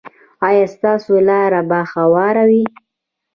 ایا ستاسو لاره به هواره وي؟